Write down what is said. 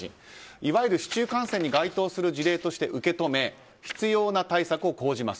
いわゆる市中感染に該当する事例として受け止め必要な対策を講じます。